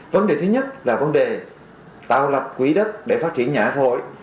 vấn đề thứ nhất là vấn đề tạo lập quỹ đất để phát triển nhà ở xã hội